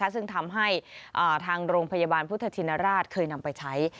ซึ่งทำให้ทางโรงพยาบาลพุทธชินราชเคยนำไปใช้